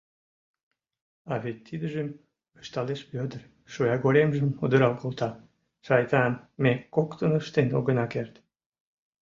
— А вет тидыжым, — ышталеш Вӧдыр, шоягоремжым удырал колта, — шайтан, ме коктын ыштен огына керт.